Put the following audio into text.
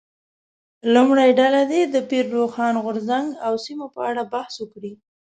لومړۍ ډله دې د پیر روښان غورځنګ او سیمو په اړه بحث وکړي.